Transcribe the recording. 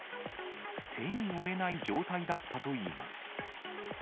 手に負えない状態だったといいます。